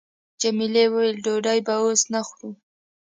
جميلې وويل:، ډوډۍ به اوس نه خورو.